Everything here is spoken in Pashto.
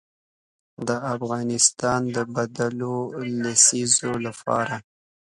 د افغانستان د بدلون لسیزې لپاره.